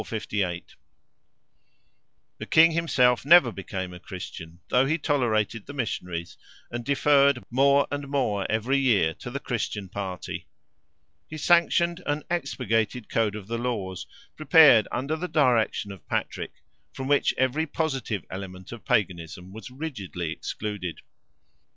The king himself never became a Christian, though he tolerated the missionaries, and deferred more and more every year to the Christian party. He sanctioned an expurgated code of the laws, prepared under the direction of Patrick, from which every positive element of Paganism was rigidly excluded.